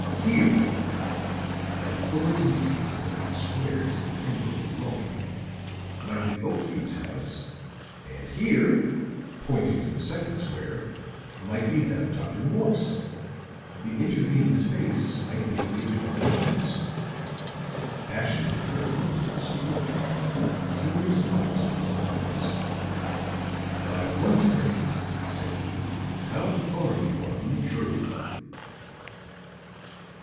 Here," and Fuller indicated one of the squares at the end of his drawing, "might be Okiu's house, and here," pointing to the second square, "might be that of Dr. Morse. The intervening space might be the adjoining lawns." Ashton Kirk looked at the speaker, a curious light in his eyes. "I wonder," said he, "how far you are from the truth?"